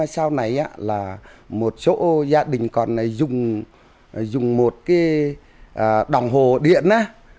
sau này là một số gia đình còn này dùng một cái đồng hồ điện